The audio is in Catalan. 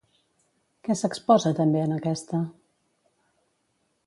Què s'exposa també en aquesta?